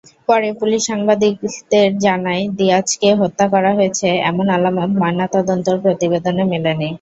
পরে পুলিশ সাংবাদিকদের জানায়, দিয়াজকে হত্যা করা হয়েছে, এমন আলামত ময়নাতদন্ত প্রতিবেদনে মেলেনি।